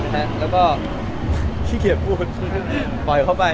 สู้เราเก็บความรักที่ดีให้กันเอาไว้